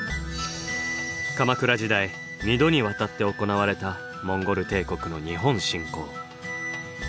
鎌倉時代２度にわたって行われたモンゴル帝国の日本侵攻。